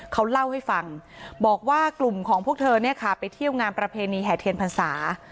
เขาเล่าให้ฟังบอกว่ากลุ่มของพวกเธอเนี่ยค่ะไปเที่ยวงานประเพณีแห่เทียนพรรษา